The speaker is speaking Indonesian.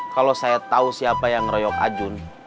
kalau saya tau siapa yang royok ajun